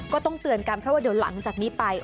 ก็ต้องเตือนกันเพราะว่าเดี๋ยวหลังจากนี้ไป